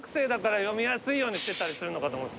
読みやすいようにしてたりするのかと。